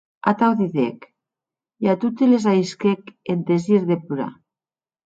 Atau didec, e a toti les ahisquèc eth desir de plorar.